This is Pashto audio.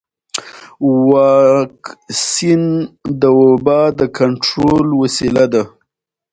واکسن د وبا د کنټرول وسیله ده.